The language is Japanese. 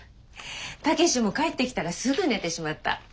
武志も帰ってきたらすぐ寝てしまった。